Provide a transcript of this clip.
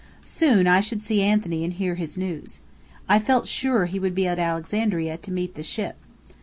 Soon I should see Anthony and hear his news. I felt sure he would be at Alexandria to meet the ship.